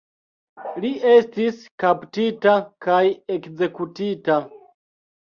Li estis kaptita kaj ekzekutita.